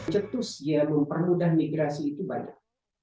cetus dia mempermudah migrasi itu banyak